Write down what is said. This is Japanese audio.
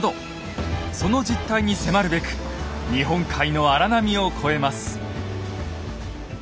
その実態に迫るべく日本海の荒波を越えます。